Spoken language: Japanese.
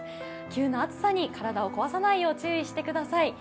急な暑さに体を壊さないよう注意してください。